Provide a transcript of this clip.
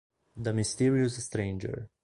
The Mysterious Stranger